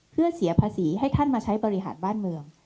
เพื่อเสียภาษีให้ท่านมาใช้บริหารบ้านเมือง